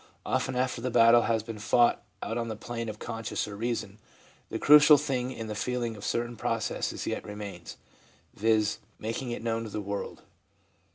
— Often after the battle has been fought out on the plane of conscience or reason, the crucial thing in the feeling of certain persons yet remains, viz., making it known to the world.